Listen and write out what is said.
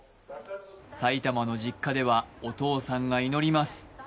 埼玉の実家ではお父さんが祈ります。